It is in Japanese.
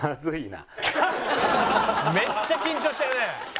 めっちゃ緊張してるね。